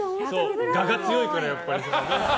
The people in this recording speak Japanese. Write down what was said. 我が強いから、やっぱり。